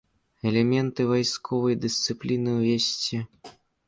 Элементы вайсковай дысцыпліны ўвесці.